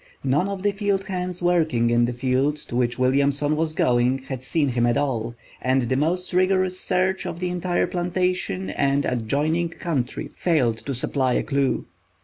None of the field hands working in the field to which Williamson was going had seen him at all, and the most rigorous search of the entire plantation and adjoining country failed to supply a clew.